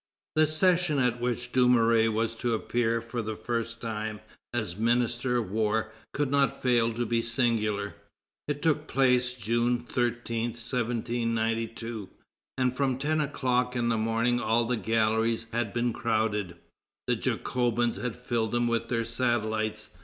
The session at which Dumouriez was to appear for the first time as Minister of War could not fail to be singular. It took place June 13, 1792, and from ten o'clock in the morning all the galleries had been crowded. The Jacobins had filled them with their satellites.